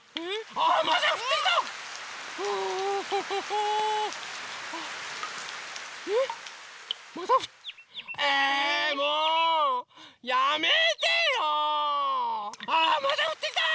あらまたふってきた！